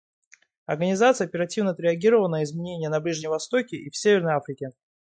Организация оперативно отреагировала на изменения на Ближнем Востоке и в Северной Африке.